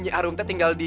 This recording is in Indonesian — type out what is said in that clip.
nyi arum tinggal di